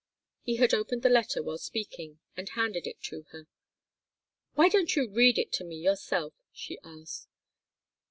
He had opened the letter while speaking and handed it to her. "Why don't you read it to me yourself?" she asked.